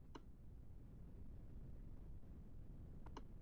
Tras dejar el Granada se marchó al Pescara Calcio.